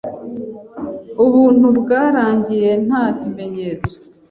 Ubuntu bwarangiye nta kimenyetso